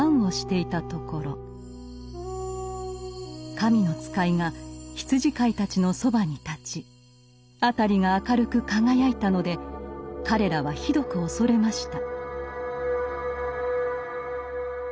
神の使いが羊飼いたちのそばに立ち辺りが明るく輝いたので彼らはひどく恐れました。